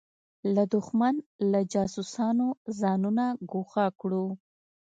له دښمن له جاسوسانو ځانونه ګوښه کړو.